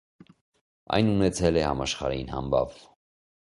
Այն ունեցել է համաշխարհային համբավ։